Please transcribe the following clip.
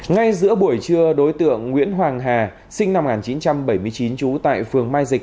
ngay giữa buổi trưa đối tượng nguyễn hoàng hà sinh năm một nghìn chín trăm bảy mươi chín trú tại phường mai dịch